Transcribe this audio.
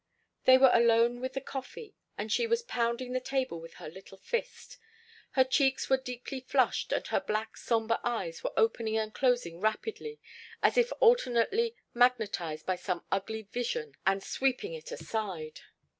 They were alone with the coffee, and she was pounding the table with her little fist. Her cheeks were deeply flushed and her black somber eyes were opening and closing rapidly, as if alternately magnetized by some ugly vision and sweeping it aside.